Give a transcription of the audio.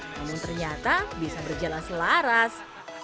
namun ternyata bisa berjalan selaras